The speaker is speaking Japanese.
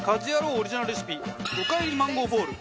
オリジナルレシピおかえりマンゴーボール。